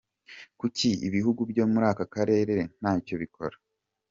Kuki ibihugu byo muri aka karere ntacyo bikora